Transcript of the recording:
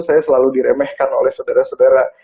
saya selalu diremehkan oleh saudara saudara